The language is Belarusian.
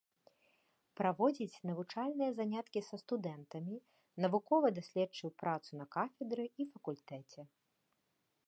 Праводзіць навучальныя заняткі са студэнтамі, навукова-даследчую працу на кафедры і факультэце.